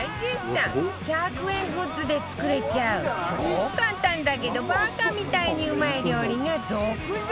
１００円グッズで作れちゃう超簡単だけどバカみたいにうまい料理が続々